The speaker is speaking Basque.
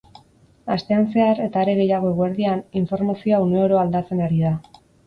Astean zehar, eta are gehiago eguerdian, informazioa uneoro aldatzen ari da.